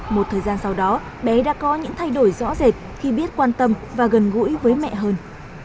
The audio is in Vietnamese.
một thời gian sau đó bé đã có những thay đổi rõ rệt khi biết quan tâm và gần gũi với mẹ hơn